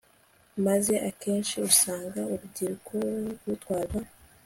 maze akenshi ugasanga urubyiruko rutwarwa